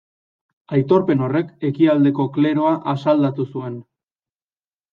Aitorpen horrek ekialdeko kleroa asaldatu zuen.